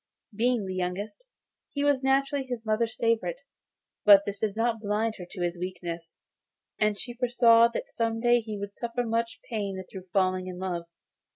Being the youngest, he was naturally his mother's favourite; but this did not blind her to his weaknesses, and she foresaw that some day he would suffer much pain through falling in love.